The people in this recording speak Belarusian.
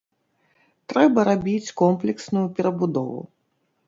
Трэба рабіць комплексную перабудову.